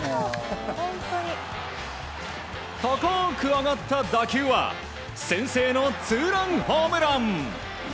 高く上がった打球は先制のツーランホームラン。